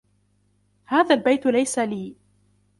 هذا البيت ليس لي.